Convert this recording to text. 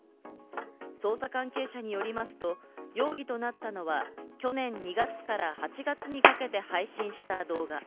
捜査関係者によりますと容疑となったのは去年２月から８月にかけて配信した動画。